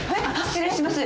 失礼します。